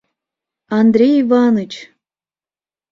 Андрей Иваныч!